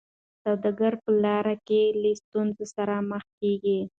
سوداګر په لاره کي له ستونزو سره مخ کیږي.